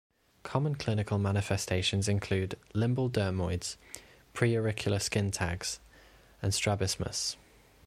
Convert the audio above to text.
Common clinical manifestations include limbal dermoids, preauricular skin tags, and strabismus.